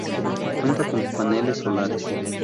Cuenta con paneles solares.